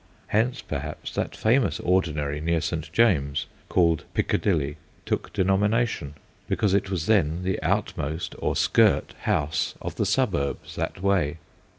Hence, perhaps, that famous ordinary near St. James, called Pickadilly, took denomination ; because it was then the outmost or skirt house of the suburbs that way.